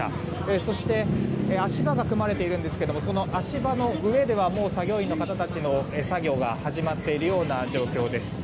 そして、足場が組まれているんですがその足場の上では作業員の方たちの作業が始まっているような状況です。